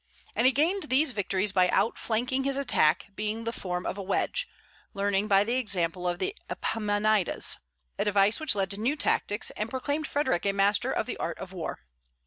And he gained these victories by outflanking, his attack being the form of a wedge, learned by the example of Epaminondas, a device which led to new tactics, and proclaimed Frederic a master of the art of war.